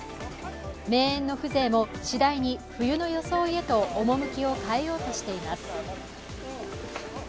名園の風情も次第に冬の装いへと趣を変えようとしています。